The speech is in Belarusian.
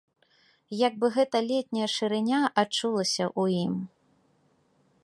Як бы гэта летняя шырыня адчулася ў ім.